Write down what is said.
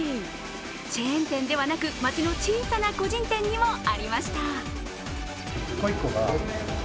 チェーン店ではなく町の小さな個人店にもありました。